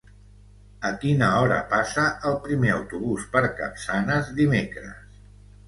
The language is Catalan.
A quina hora passa el primer autobús per Capçanes dimecres?